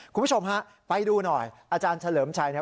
คุณผู้ชมฮะไปดูหน่อยอาจารย์เฉลิมชัยเนี่ย